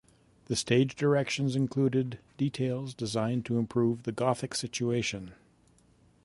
The stage directions included details designed to improve the gothic situation.